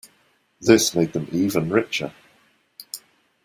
This made them even richer.